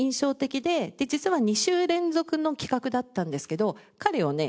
実は２週連続の企画だったんですけど彼をね